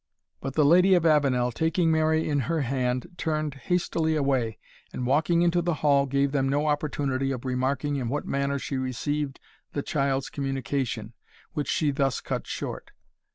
But the Lady of Avenel, taking Mary in her hand, turned hastily away, and, walking into the hall, gave them no opportunity of remarking in what manner she received the child's communication, which she thus cut short.